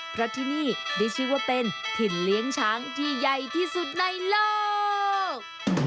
เพราะที่นี่ได้ชื่อว่าเป็นถิ่นเลี้ยงช้างที่ใหญ่ที่สุดในโลก